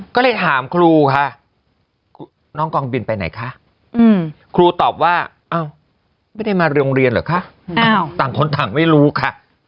ก็เลยถามครูค่ะน้องกองบินไปไหนคะครูตอบว่าไม่ได้มาโรงเรียนเหรอคะต่างคนต่างไม่รู้ค่ะ